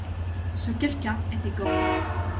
Ce quelqu'un était Gorju.